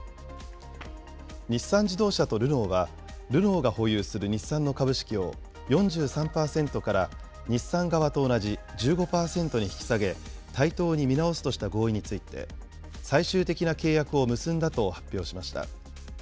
日産自動車とルノーは、ルノーが保有する日産の株式を４３％から、日産側と同じ１５％に引き下げ、対等に見直すとした合意について、最終的な契約を結んだと発表しました。